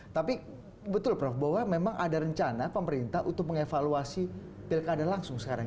tapi betul prof bahwa memang ada rencana pemerintah untuk mengevaluasi pilkada langsung sekarang